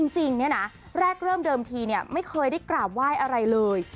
จริงเนี่ยนะแรกเริ่มเดิมทีเนี่ยไม่เคยได้กราบไหว้อะไรเลย